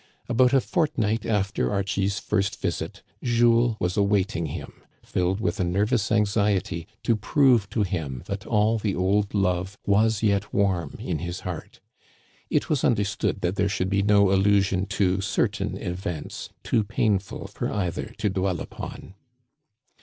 About a fortnight after Archie's first visit, Jules was awaiting him, filled with a nervous anxiety to prove to him that all the old love was yet warm in his heart. It was understood that there should be no allusion to certain events, too painful for either to dwell upon.